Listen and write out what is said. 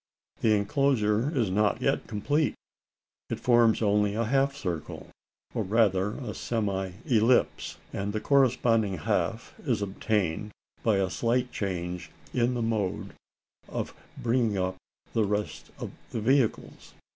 The enclosure is not yet complete. It forms only a half circle, or rather a semi ellipse; and the corresponding half is obtained, by a slight change in the mode of bringing up the remaining vehicles.